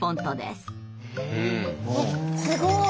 すごい。